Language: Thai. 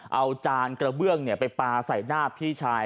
เอาจานกระเบื้องไปปลาใส่หน้าพี่ชาย